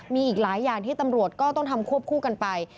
มีอีกหลายอย่างที่ตำรวจก็ต้องทำควบคู่กันไป